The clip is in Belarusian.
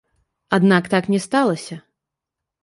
Аднак так не сталася.